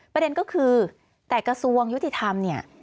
ประเด็นก็คือแต่กระทรวงยุติธรรมเนี่ย